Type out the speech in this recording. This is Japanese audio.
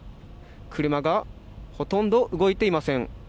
車がほとんど動いていません。